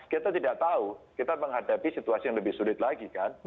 kita tidak tahu kita menghadapi situasi yang lebih sulit lagi kan